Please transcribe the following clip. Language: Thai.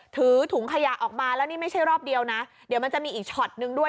ถือถุงขยะออกมาแล้วนี่ไม่ใช่รอบเดียวนะเดี๋ยวมันจะมีอีกช็อตนึงด้วย